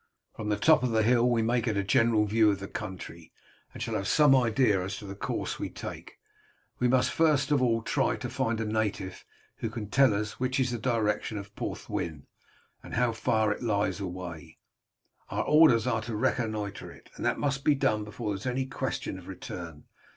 From the top of the hill we may get a general view of the country, and shall have some idea as to the course to take. We must first of all try to find a native who can tell us which is the direction of Porthwyn and how far it lies away. Our orders are to reconnoitre it and that must be done before there is any question of return.